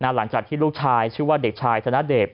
หลังจากที่ลูกชายชื่อว่าเด็กชายธนเดช